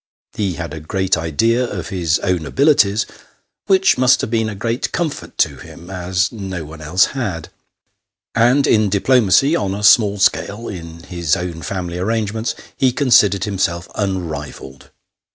He had a great idea of his own abilities, which must have been a great comfort to him, as no one else had ; and in diplomacy, on a small scale, in his own family arrangements, he considered himself unrivalled.